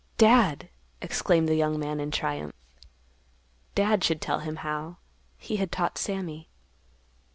"Dad!" exclaimed the young man in triumph. Dad should tell him how. He had taught Sammy.